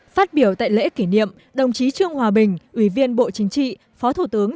phát biểu tại lễ kỷ niệm đồng chí trương hòa bình ủy viên bộ chính trị phó thủ tướng